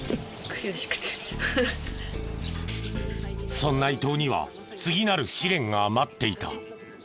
そんな伊東には次なる試練が待っていた。